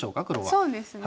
そうですね。